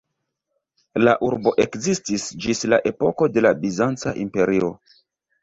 La urbo ekzistis ĝis la epoko de la Bizanca Imperio.